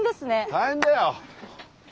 大変だよ。